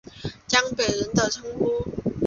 江北人的称呼。